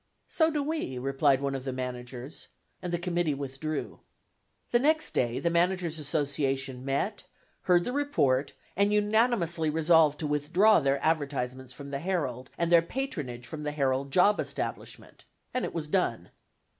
"So do we," replied one of the managers, and the committee withdrew. The next day the Managers' Association met, heard the report, and unanimously resolved to withdraw their advertisements from the Herald, and their patronage from the Herald job establishment, and it was done.